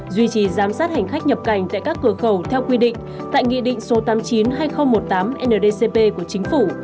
duy trì giám sát hành khách nhập cảnh tại các cửa khẩu theo quy định tại nghị định số tám mươi chín hai nghìn một mươi tám ndcp của chính phủ